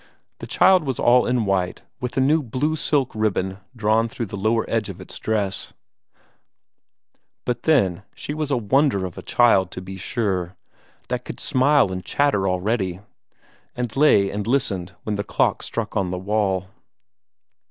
The child was all in white, with a new blue silk ribbon drawn through the lower edge of its dress; but then she was a wonder of a child, to be sure, that could smile and chatter already, and lay and listened when the clock struck on the wall.